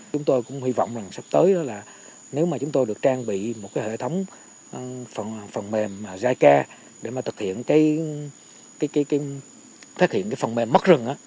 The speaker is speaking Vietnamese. chúng tôi cũng hy vọng sắp tới nếu chúng tôi được trang bị một hệ thống phần mềm giai ca để thực hiện phần mềm mất rừng